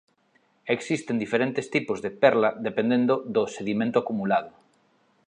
Existen diferentes tipos de perla dependendo do sedimento acumulado.